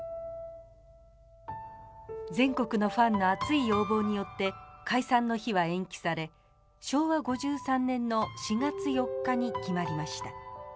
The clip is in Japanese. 全国のファンの熱い要望によって解散の日は延期され昭和５３年の４月４日に決まりました。